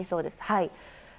はい。